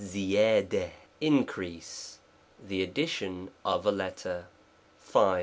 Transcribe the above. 5aL3 increase The addition of a letter. V.